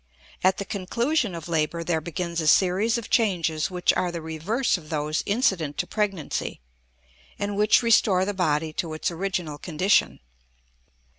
At the conclusion of labor there begins a series of changes which are the reverse of those incident to pregnancy, and which restore the body to its original condition.